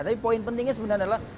tapi poin pentingnya sebenarnya adalah